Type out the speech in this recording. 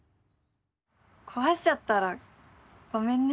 壊しちゃったらごめんね。